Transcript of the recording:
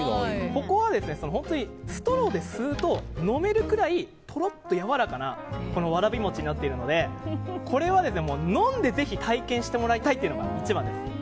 ここは、ストローで吸うと飲めるぐらいとろっとやわらかなわらび餅になっているのでこれは飲んで、ぜひ体験してもらいたいのが一番です。